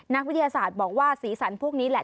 นักวิทยาศาสตร์บอกว่าสีสันพวกนี้แหละ